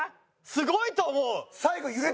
すごいと思う！